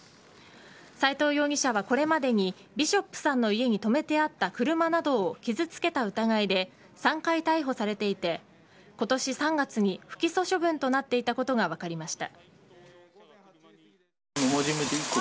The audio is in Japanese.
斎藤容疑者は、これまでにビショップさんの家に止めてあった車などを傷つけた疑いで３回逮捕されていて今年３月に不起訴処分となっていたことが分かりました。